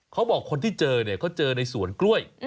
เขาบอกคนที่เจอเนี่ยเขาเจอในสวนกล้วย